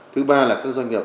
thứ ba là các doanh nghiệp